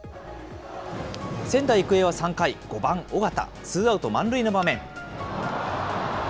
仙台育英は３回、５番尾形、ツーアウト満塁の場面。